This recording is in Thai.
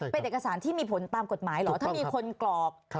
เป็นเอกสารที่มีผลตามกฎหมายเหรอถ้ามีคนกรอก